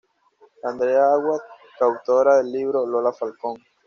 Andrea Aguad coautora del libro "Lola Falcón.